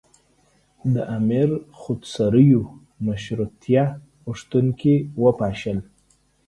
د امیر خودسریو مشروطیه غوښتونکي وپاشل.